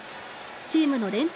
チームの連敗